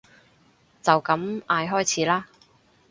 就咁嗌開始啦